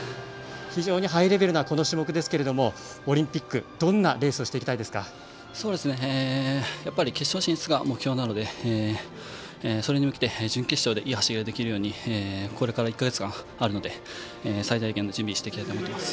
非常にハイレベルなこの種目ですけれどオリンピック決勝進出が目標なのでそれに向けて準決勝でいい走りができるようにこれから１か月あるので最大限の準備をしていきたいと思います。